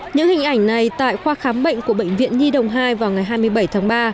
những hình ảnh này tại khoa khám bệnh của bệnh viện nhi đồng hai vào ngày hai mươi bảy tháng ba